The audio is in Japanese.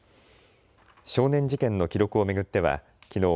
少年事件の記録を巡ってはきのう